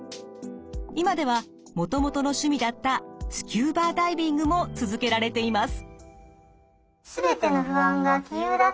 今ではもともとの趣味だったスキューバダイビングも続けられています。